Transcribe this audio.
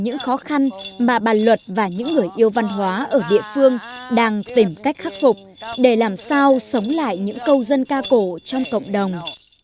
những khó khăn mà bà luật và những người yêu văn hóa ở địa phương đang tìm cách khắc phục để làm sao sống lại những câu dân ca cổ trong cộng đồng